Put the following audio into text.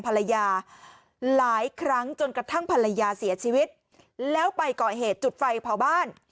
ภรรยาหลายครั้งจนกระทั่งภรรยาเสียชีวิตแล้วไปก่อเหตุจุดไฟเผาบ้าน